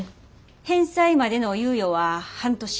返済までの猶予は半年。